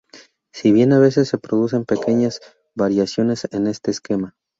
Si bien a veces se producen pequeñas variaciones en este esquema.